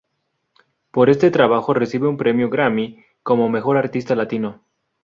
Por este trabajo recibe un premio Grammy, como mejor artista latino.